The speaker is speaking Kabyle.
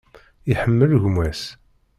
Iḥemmel gma-s.